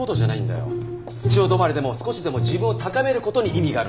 室長止まりでも少しでも自分を高める事に意味があるんだ。